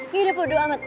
yaudah pudo amat